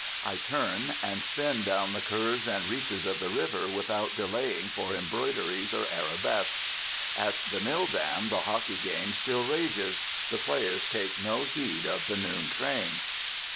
I turn and spin down the curves and reaches of the river without delaying for embroideries or arabesques. At the mill dam the hockey game still rages; the players take no heed of the noon train.